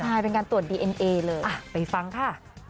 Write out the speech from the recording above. ใช่เป็นการตรวจดีเอ็นเอเลยไปฟังค่ะ